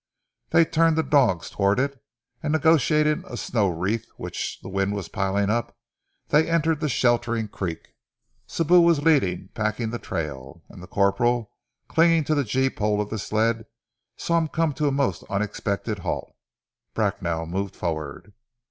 They turned the dogs towards it, and negotiating a snow wreath which the wind was piling up, they entered the sheltering creek. Sibou was leading, packing the trail, and the corporal clinging to the gee pole of the sled, saw him come to a most unexpected halt. Bracknell moved forward.